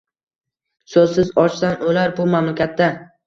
So‘zsiz, ochdan o‘lar bu mamlakatda.